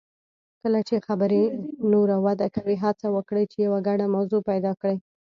کله چې خبرې نوره وده کوي، هڅه وکړئ چې یو ګډه موضوع پیدا کړئ.